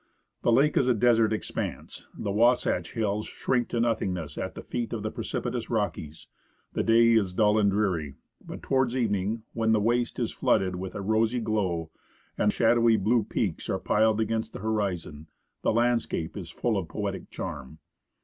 The lake is a desert expanse ; the Wahsatch hills shrink to nothingness at the feet of the precipitous Rockies. The day is dull and dreary ; but towards evening, when the waste is flooded with a rosy glow, and shadowy blue peaks are piled against the horizon, the landscape is full of poetic charm.